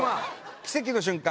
奇跡の瞬間